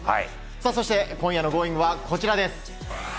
そして、今夜の「Ｇｏｉｎｇ！」はこちらです。